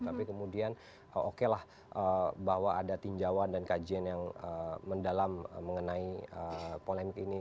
tapi kemudian okelah bahwa ada tinjauan dan kajian yang mendalam mengenai polemik ini